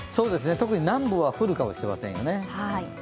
特に南部は降るかもしれませんよね。